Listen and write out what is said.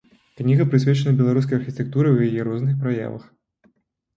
Кніга прысвечана беларускай архітэктуры ў яе розных праявах.